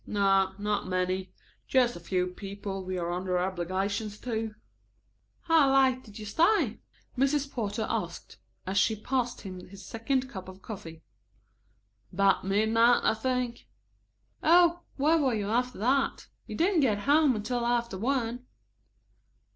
"No, not many. Just a few people we are under obligations to." "How late did you stay?" Mrs. Porter asked, as she passed him his second cup of coffee. "About midnight, I think." "Oh, where were you after that? You didn't get home until after one."